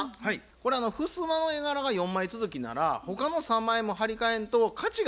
これはふすまの絵柄が４枚続きなら他の３枚も張り替えんと価値がないと思うんですね。